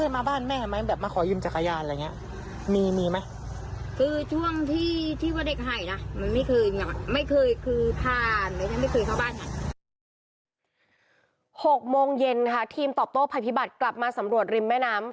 ๖โมงเย็นค่ะทีมตอบโต้ภัยพิบัตรกลับมาสำรวจริมแม่น้ำ